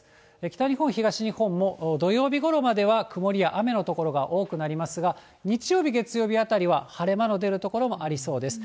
北日本、東日本も土曜日ごろまでは曇りや雨の所が多くなりますが、日曜日、月曜日あたりは晴れ間の出る所もありそうです。